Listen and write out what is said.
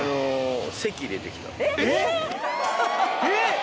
えっ！？